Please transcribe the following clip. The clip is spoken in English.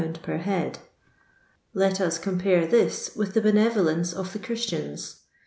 per head. Let us compare this with the benevolence of the Christians.